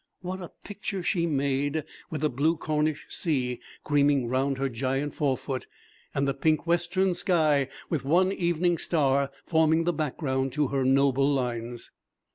What a picture she made, with the blue Cornish sea creaming round her giant fore foot, and the pink western sky with one evening star forming the background to her noble lines.